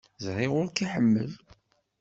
Ẓriɣ ur k-iḥemmel.